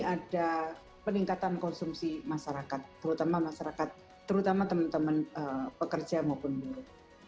ada peningkatan konsumsi masyarakat terutama masyarakat terutama teman teman pekerja maupun buruh